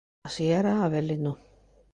Así era Avelino.